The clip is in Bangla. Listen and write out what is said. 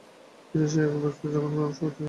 তিনিই সেই এক বস্তু, যাঁকে আমরা সর্বত্র দেখছি।